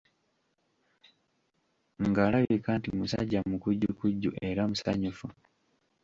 Ng'alabika nti musajja mukujjukujju era musanyufu.